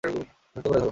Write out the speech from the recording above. শক্ত করে ধর।